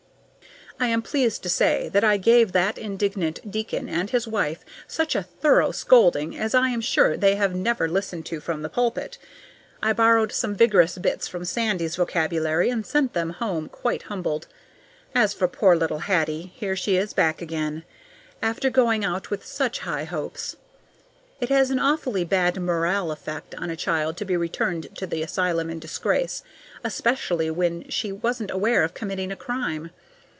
I am pleased to say that I gave that indignant deacon and his wife such a thorough scolding as I am sure they have never listened to from the pulpit. I borrowed some vigorous bits from Sandy's vocabulary, and sent them home quite humbled. As for poor little Hattie, here she is back again, after going out with such high hopes. It has an awfully bad moral effect on a child to be returned to the asylum in disgrace, especially when she wasn't aware of committing a crime.